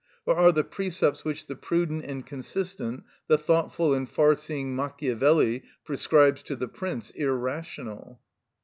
Or are the precepts which the prudent and consistent, the thoughtful and far seeing Machiavelli prescribes to the prince irrational?